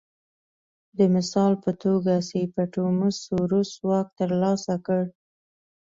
د مثال په توګه سیپټیموس سوروس واک ترلاسه کړ